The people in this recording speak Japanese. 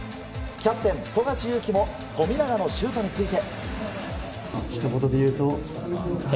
キャプテン、富樫勇樹も富永のシュートについて。